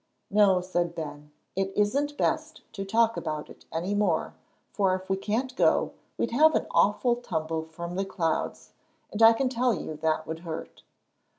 "No," said Ben, "it isn't best to talk about it any more, for if we can't go, we'd have an awful tumble from the clouds, and I can tell you that would hurt."